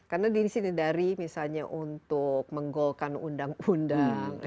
karena dari misalnya untuk menggolkan undang undang